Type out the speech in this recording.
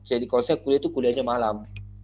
jadi kalau saya kuliah itu kuliahnya malam